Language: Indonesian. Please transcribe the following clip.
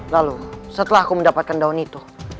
lalu setelah aku mendapatkan daun itu